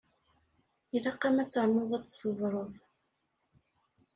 Ilaq-am ad ternuḍ ad tṣebreḍ.